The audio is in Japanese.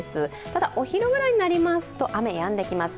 ただ、お昼ぐらいになりますと雨がやんできます。